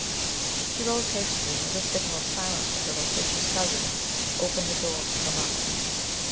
She rose hastily, and with a signal of silence to her loquacious cousin, opened the door for her mother.